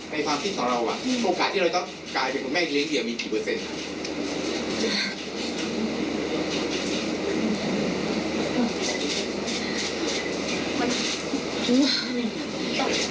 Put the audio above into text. ความคิดของเราโอกาสที่เราต้องกลายเป็นคุณแม่เลี้ยเหยื่อมีกี่เปอร์เซ็นต์